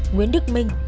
nguyễn đức minh